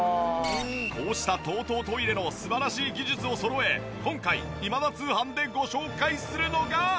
こうしたＴＯＴＯトイレの素晴らしい技術をそろえ今回『今田通販』でご紹介するのが。